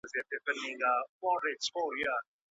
ښوونیزه ارواپوهنه د سالمي ټولني جوړولو کلید ده.